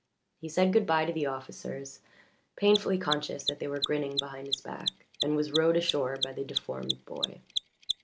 He said good bye to the officers, painfully conscious that they were grinning behind his back, and was rowed ashore by the deformed boy.